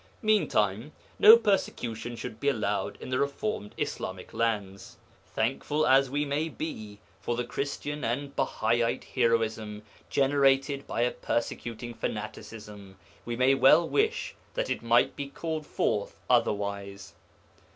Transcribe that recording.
Meantime no persecution should be allowed in the reformed Islamic lands. Thankful as we may be for the Christian and Bahaite heroism generated by a persecuting fanaticism, we may well wish that it might be called forth otherwise.